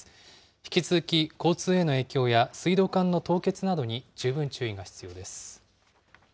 引き続き交通への影響や、水道管の凍結などに十分注意が必要です。